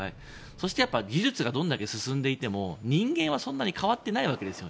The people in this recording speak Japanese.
そして技術がどんだけ進んでいても人間はそんなに変わっていないわけですよ。